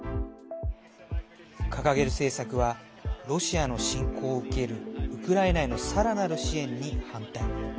掲げる政策はロシアの侵攻を受けるウクライナへのさらなる支援に反対。